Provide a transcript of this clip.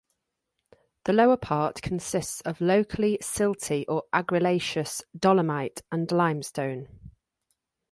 The lower part consists of locally silty or argillaceous dolomite and limestone.